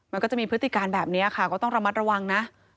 มันก็จะมีพฤติการแบบนี้ค่ะก็ต้องระมัดระวังนะ